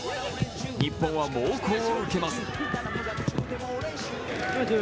日本は猛攻を受けます。